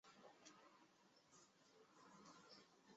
刘备入蜀后为从事祭酒。